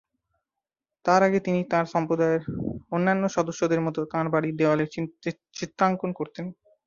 তার আগে, তিনি তাঁর সম্প্রদায়ের অন্যান্য সদস্যদের মতো তাঁর বাড়ির দেয়ালে চিত্রাঙ্কন করতেন।